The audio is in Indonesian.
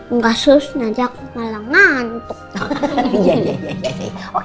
enggak sus nanti aku malah ngantuk